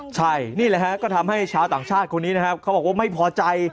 ใช่นี่แหละฮะก็ทำให้ชาวต่างชาติคนนี้นะครับเขาบอกว่าไม่พอใจ